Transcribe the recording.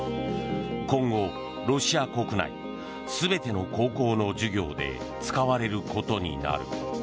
今後ロシア国内全ての高校の授業で使われることになる。